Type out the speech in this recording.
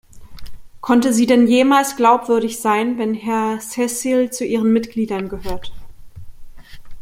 Konnte sie denn jemals glaubwürdig sein, wenn Herr Seselj zu ihren Mitgliedern gehört?